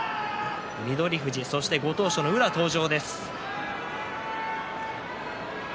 翠富士、そしてご当所の宇良の登場です。